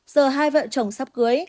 giờ hai vợ chồng sắp cưới